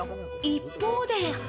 一方で。